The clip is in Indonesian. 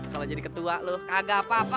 kalau jadi ketua lu kagak apa apa